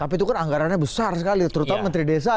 tapi itu kan anggarannya besar sekali terutama menteri desa